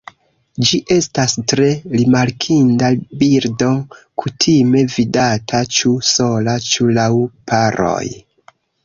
Ĝi estas tre rimarkinda birdo kutime vidata ĉu sola ĉu laŭ paroj.